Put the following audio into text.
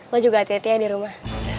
lo juga hati hati ya di rumah